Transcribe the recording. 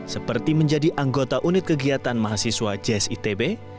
seperti menjadi anggota unit kegiatan mahasiswa js itb